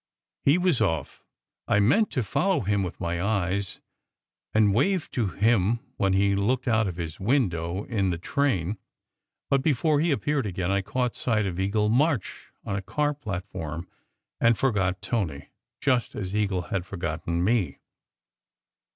He was off. I meant to follow him with my eyes and wave to him when he looked out of his window in the train. But before he appeared again, I caught sight of Eagle March on a car platform, and forgot Tony, just as Eagle had forgotten me.